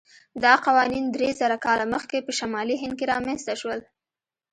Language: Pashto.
دا قوانین درېزره کاله مخکې په شمالي هند کې رامنځته شول.